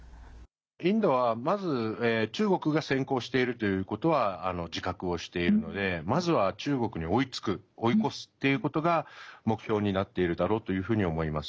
インドは、まず中国が先行しているということは自覚をしているのでまずは中国に追いつく追い越すっていうことが目標になっているだろうというふうに思います。